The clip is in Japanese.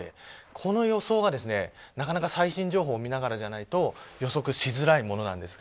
この予想が最新情報を見ながらじゃないと予測しづらいものなんです。